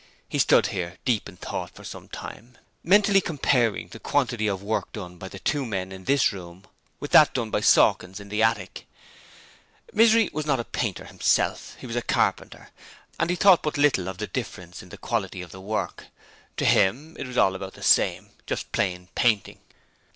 He stood here deep in thought for some time, mentally comparing the quantity of work done by the two men in this room with that done by Sawkins in the attics. Misery was not a painter himself: he was a carpenter, and he thought but little of the difference in the quality of the work: to him it was all about the same: just plain painting.